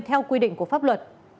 theo quy định của pháp luật